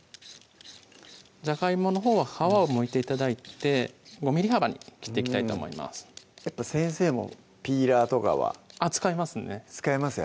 じゃがいものほうは皮をむいて頂いて５ｍｍ幅に切っていきたいと思います先生もピーラーとかは使いますね使います？